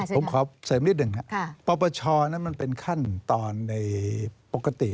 ผมขอเสริมนิดหนึ่งครับปปชนั้นมันเป็นขั้นตอนในปกติ